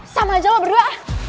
sama aja lo berdua